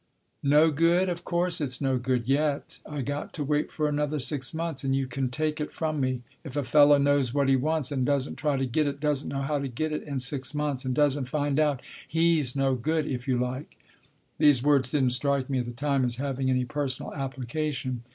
" No good ? Of course it's no good yet. I got to wait for another six months. And you can take it from me, if a fellow knows what he wants, and doesn't try to get it doesn't know how to get it in six months and doesn't find out he's no good, if you like." These words didn't strike me at the time as having any personal application.